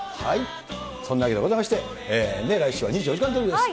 そんなわけでございまして、来週は、２４時間テレビです。